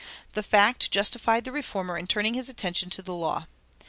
The fact justified the reformer in turning his attention to the law.